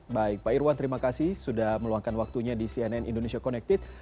baik pak irwan terima kasih sudah meluangkan waktunya di cnn indonesia connected